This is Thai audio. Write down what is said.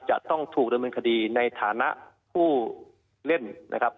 จะต้องถูกดำเนินคดีในฐานะผู้เล่นนะครับ